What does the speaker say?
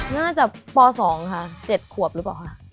น่าจะป๒ค่ะ๗ขวบหรือเปล่าคะ